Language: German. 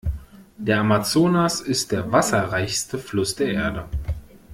Der Amazonas ist der wasserreichste Fluss der Erde.